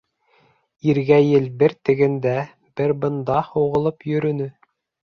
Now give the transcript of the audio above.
Иргәйел бер тегендә, бер бында һуғылып йөрөнө.